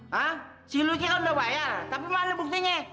hah si luki oh udah bayar tapi mana buktinya